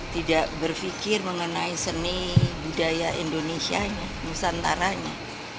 tidak berfikir mengenai seni budaya indonesia nusantaranya